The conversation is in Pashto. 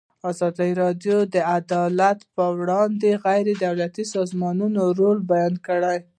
ازادي راډیو د عدالت په اړه د غیر دولتي سازمانونو رول بیان کړی.